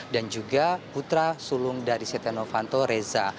dan juga putra sulung dari setenovanto reza